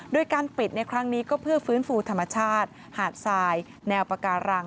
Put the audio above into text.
โดยการปิดในครั้งนี้ก็เพื่อฟื้นฟูธรรมชาติหาดทรายแนวปาการัง